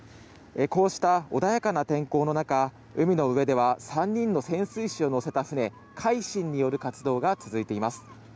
こうした穏やかな天候の中海の上では３人の潜水士を乗せた船「海進」による活動が続いています。